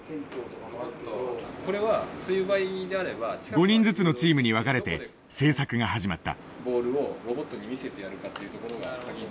５人ずつのチームに分かれて製作が始まった。